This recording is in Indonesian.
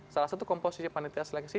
salah satu komposisi panitia seleksi